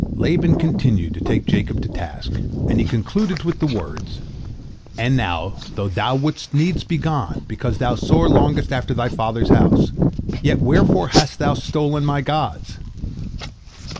Laban continued to take Jacob to task, and he concluded with the words, "And now, though thou wouldst needs be gone, because thou sore longedst after thy father's house, yet wherefore hast thou stolen my gods?"